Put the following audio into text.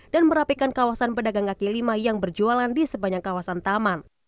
dan merapikan kawasan pedagang gaki lima yang berjualan di sepanjang kawasan taman